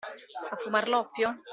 A fumar l'oppio?